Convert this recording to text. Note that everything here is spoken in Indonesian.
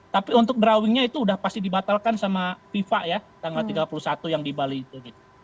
tapi untuk drawingnya itu udah pasti dibatalkan sama fifa ya tanggal tiga puluh satu yang di bali itu